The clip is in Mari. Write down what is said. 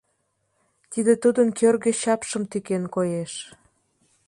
Тиде тудын кӧргӧ чапшым тӱкен коеш.